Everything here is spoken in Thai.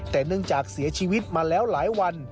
แต่เนื่องจากเสียชีวิตมาแล้วหลายวัน